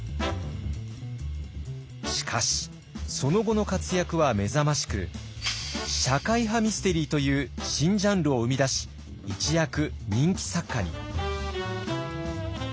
しかしその後の活躍は目覚ましく社会派ミステリーという新ジャンルを生み出し一躍人気作家に。